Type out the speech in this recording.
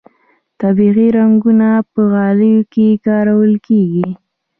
طبیعي رنګونه په غالیو کې کارول کیږي